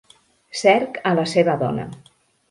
Cerc a la seva dona.